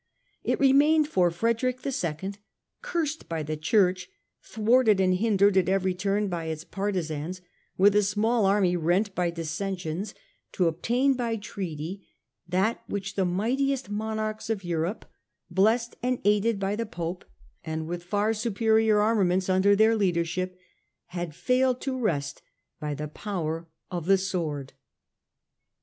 It remained for Frederick the Second, cursed by the Church, thwarted and hindered at every turn by its partisans, with a small army rent by dissensions, to obtain by treaty that which the mightiest monarchs of Europe, blessed and aided by the Pope and with far superior armaments under their leadership, had failed to wrest by the power of the sword.